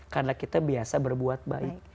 karena kita biasa berbuat baik